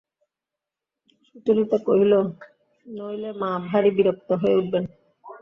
সুচরিতা কহিল, নইলে মা ভারি বিরক্ত হয়ে উঠবেন।